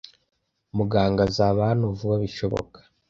Muganga azaba hano vuba bishoboka.